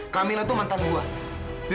camilla tuh mantan gue